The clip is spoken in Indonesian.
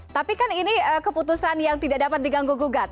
tapi kan ini keputusan yang tidak dapat diganggu gugat